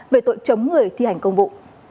về tội chống người thi hành công vụ